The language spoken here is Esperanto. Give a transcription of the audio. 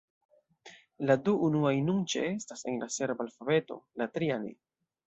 La du unuaj nun ĉeestas en la serba alfabeto, la tria ne.